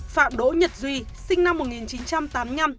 phạm đỗ nhật duy sinh năm một nghìn chín trăm tám mươi năm